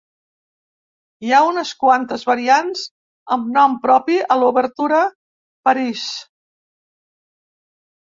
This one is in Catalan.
Hi ha unes quantes variants amb nom propi a l'obertura París.